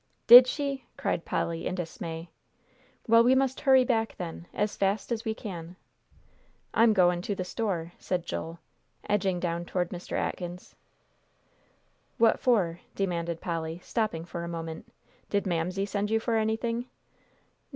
"Did she?" cried Polly, in dismay. "Well, we must hurry back then, as fast as we can." "I'm goin' to the store," said Joel, edging down toward Mr. Atkins'. "What for?" demanded Polly, stopping a moment. "Did Mamsie send you for anything?"